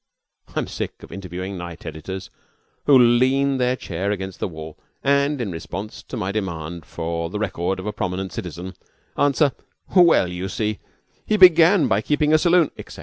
I'm sick of interviewing night editors who lean their chair against the wall, and, in response to my demand for the record of a prominent citizen, answer: "Well, you see, he began by keeping a saloon," etc.